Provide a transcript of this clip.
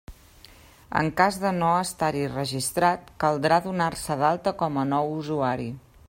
En cas de no estar-hi registrat, caldrà donar-se d'alta com a nou usuari.